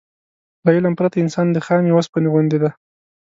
له علم پرته انسان د خامې اوسپنې غوندې دی.